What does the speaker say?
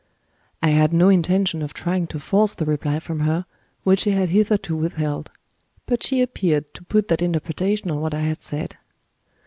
I had no intention of trying to force the reply from her which she had hitherto withheld; but she appeared to put that interpretation on what I had said.